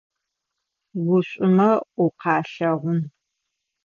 Ушӏумэ укъалъэгъун.